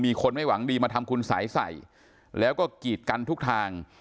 คนไม่หวังดีมาทำคุณสายใส่แล้วก็กีดกันทุกทาง